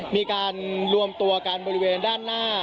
มีการรวมตัวกันบริเวณด้านหน้า